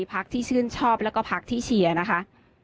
พักที่ชื่นชอบแล้วก็พักที่เชียร์นะคะ